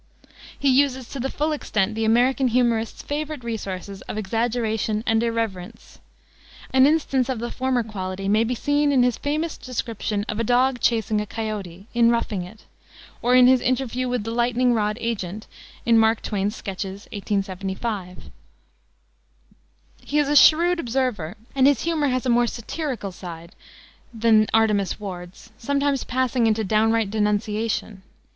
He uses to the full extent the American humorist's favorite resources of exaggeration and irreverence. An instance of the former quality may be seen in his famous description of a dog chasing a coyote, in Roughing It, or in his interview with the lightning rod agent in Mark Twain's Sketches, 1875. He is a shrewd observer, and his humor has a more satirical side than Artemus Ward's, sometimes passing into downright denunciation.